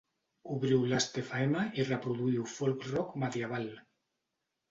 Obriu Last Fm i reproduïu folk rock medieval